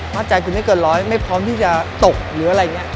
ใจคุณไม่เกินร้อยไม่พร้อมที่จะตกหรืออะไรอย่างนี้